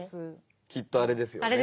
きっとあれですよね。